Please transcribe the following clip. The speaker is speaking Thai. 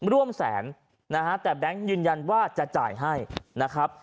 ร่วมแสนนะฮะแต่แบงค์ยืนยันว่าจะจ่ายให้นะครับ